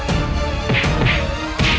dan menangkap kake guru